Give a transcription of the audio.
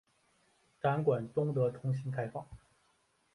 展馆终得重新开放。